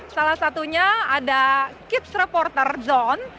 salah satunya ada kids reporter zone